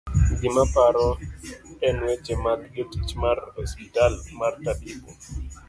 gimaparo en weche mag jotich mar ospital mar Tabibu